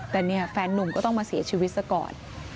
แต่เนี่ยแฟนนุ่มก็ต้องมาเสียชีวิตซะก่อน